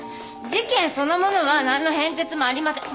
事件そのものは何の変哲もありません。